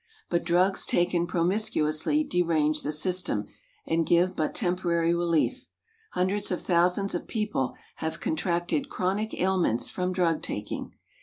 But drugs taken promiscuously derange the system and give but temporary relief. Hundreds of thousands of people have contracted chronic ailments from drug taking.